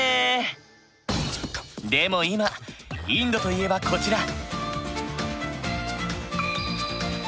でも今インドと言えばこちら！